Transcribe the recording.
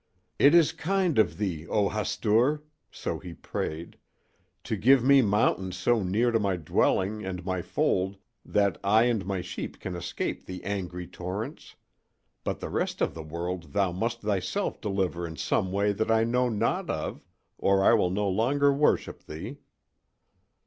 "It is kind of thee, O Hastur," so he prayed, "to give me mountains so near to my dwelling and my fold that I and my sheep can escape the angry torrents; but the rest of the world thou must thyself deliver in some way that I know not of, or I will no longer worship thee."